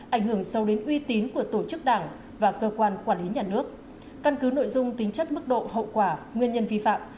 ảnh hưởng sâu đến uy tín của tổ chức đảng và cơ quan quản lý nhà nước căn cứ nội dung tính chất mức độ hậu quả nguyên nhân vi phạm